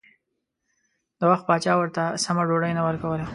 د وخت پاچا ورته سمه ډوډۍ نه ورکوله.